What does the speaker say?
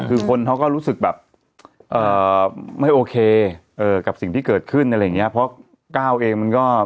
อืมเห็นมั้ยมี๘อีกแล้ว